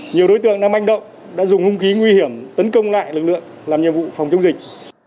nhiều đối tượng đang manh động đã dùng hung khí nguy hiểm tấn công lại lực lượng làm nhiệm vụ phòng chống dịch